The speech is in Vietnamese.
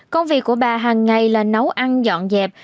công việc của bà hằng ngày là nấu ăn dọn dẹp